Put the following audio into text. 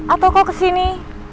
atau kau kesini